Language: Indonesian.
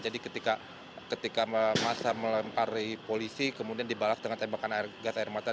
jadi ketika massa melempari polisi kemudian dibalas dengan tembakan gas air mata